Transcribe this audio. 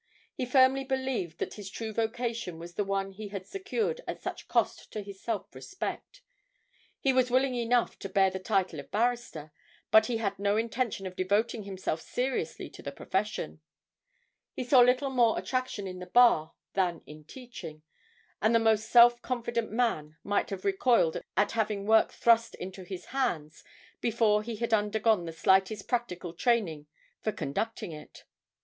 He firmly believed that his true vocation was the one he had secured at such cost to his self respect; he was willing enough to bear the title of barrister, but he had no intention of devoting himself seriously to the profession; he saw little more attraction in the Bar than in teaching, and the most self confident man might have recoiled at having work thrust into his hands before he had undergone the slightest practical training for conducting it.